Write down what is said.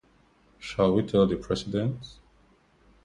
Shall We Tell the President?